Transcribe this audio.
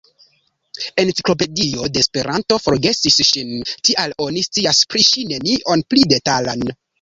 Enciklopedio de Esperanto forgesis ŝin, tial oni scias pri ŝi nenion pli detalan.